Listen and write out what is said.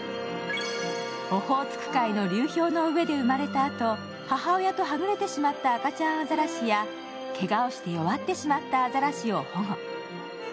オホーツク海の流氷の上で生まれたあと母親とはぐれてしまった赤ちゃんアザラシやけがをして弱ってしまったアザラシを保護。